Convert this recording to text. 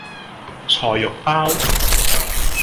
菜肉包